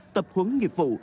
tập huấn nghiệp vụ